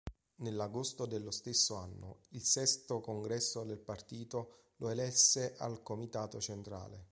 Nell'agosto dello stesso anno, il sesto congresso del partito lo elesse al Comitato centrale.